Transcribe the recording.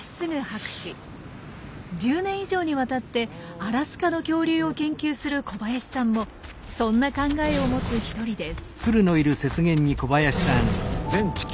１０年以上にわたってアラスカの恐竜を研究する小林さんもそんな考えを持つ一人です。